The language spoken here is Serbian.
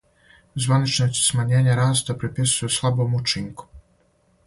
Званичници смањење раста приписују слабом учинку.